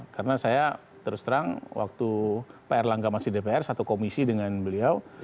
karena saya terus terang waktu pak airlangga masih dpr satu komisi dengan beliau